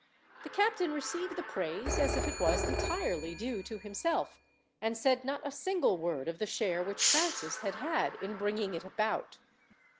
The captain received the praise as if it was entirely due to himself, and said not a single word of the share which Francis had had in bringing it about.